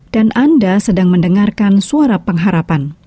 dan anda sedang mendengarkan suara pengharapan